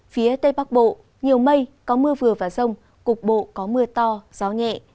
phía tây bắc bộ nhiều mây có mưa vừa và rông cục bộ có mưa to gió nhẹ